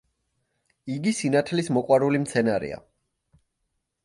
იგი სინათლის მოყვარული მცენარეა.